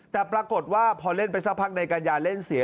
แต่ปรากฏว่าพอเล่นไปสักพักนายกัญญาเล่นเสีย